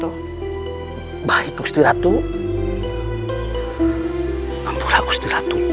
aku sudah berani mencukupi